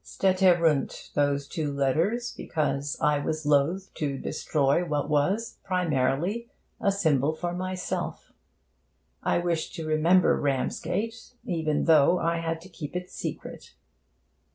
Steterunt those two letters because I was loth to destroy what was, primarily, a symbol for myself: I wished to remember Ramsgate, even though I had to keep it secret.